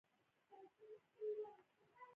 آیا د یوې غوره نړۍ لپاره نه دی؟